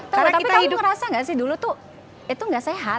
tapi kamu merasa tidak dulu itu tidak sehat